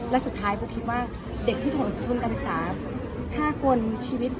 และสุดท้ายปูคิดว่าเด็กที่ถนทุนการศึกษา๕คนชีวิต